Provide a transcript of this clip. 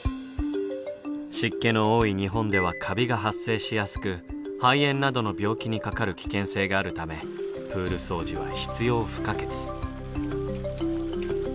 湿気の多い日本ではカビが発生しやすく肺炎などの病気にかかる危険性があるためプール掃除は必要不可欠。